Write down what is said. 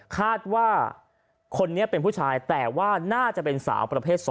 คาดว่าคนนี้เป็นผู้ชายแต่ว่าน่าจะเป็นสาวประเภท๒